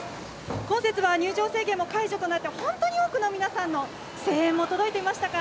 今節は入場制限が解除され本当に多くの皆さんの声援も届いていましたか？